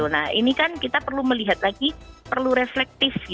nah ini kan kita perlu melihat lagi perlu reflektif